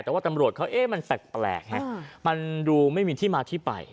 แต่ว่าตำรวจเขาเอ๊ะมันแปลกมันดูไม่มีที่มาที่ไป